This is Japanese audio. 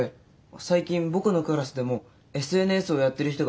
最近僕のクラスでもＳＮＳをやってる人が増えたんですよ。